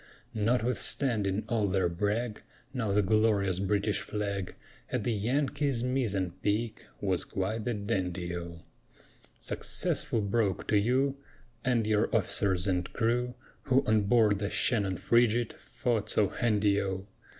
Notwithstanding all their brag, Now the glorious British flag At the Yankee's mizzen peak Was quite the dandy O! Successful Broke to you, And your officers and crew, Who on board the Shannon frigate Fought so handy O!